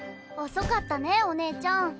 遅かったねお姉ちゃん。